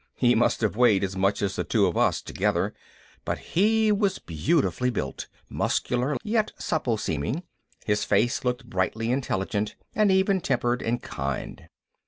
He must have weighed as much as the two of us together, but he was beautifully built, muscular yet supple seeming. His face looked brightly intelligent and even tempered and kind.